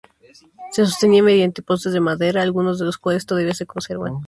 Se sostenía mediante postes de madera, algunos de los cuales todavía se conservan.